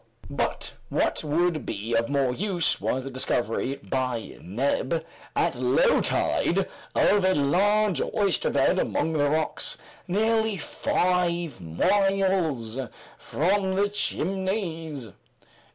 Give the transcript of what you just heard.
But what would be of more use, was the discovery, by Neb, at low tide, of a large oysterbed among the rocks, nearly five miles from the Chimneys.